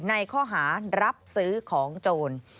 ในข้อหารับซื้อของโจร